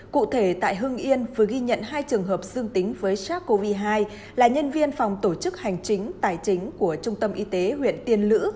cụ thể tại hưng yên vừa ghi nhận hai trường hợp dương tính với sars cov hai là nhân viên phòng tổ chức hành chính tài chính của trung tâm y tế huyện tiên lữ